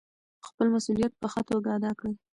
خپل مسوولیت په ښه توګه ادا کړئ.